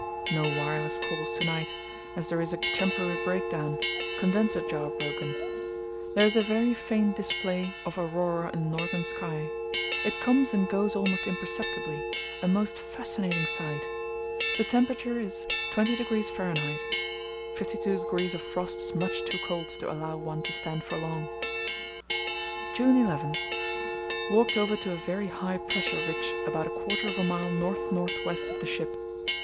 No wireless calls to night, as there is a temporary breakdown—condenser jar broken. There is a very faint display of aurora in northern sky. It comes and goes almost imperceptibly, a most fascinating sight. The temperature is –20° Fahr.; 52° of frost is much too cold to allow one to stand for long. "June 11.—Walked over to a very high pressure ridge about a quarter of a mile north north west of the ship.